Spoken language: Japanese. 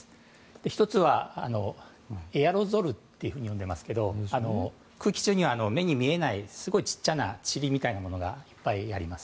１つはエアロゾルと呼んでいますけど空気中には、目に見えないすごく小さなちりみたいなものがたくさんあります。